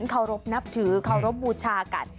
เคารพนับถือเคารพบูชากัน